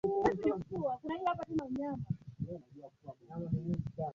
Patrice Emery Lumumba aliuwawa wakati Kongo ipo chini ya majeshi ya Umoja wa Mataifa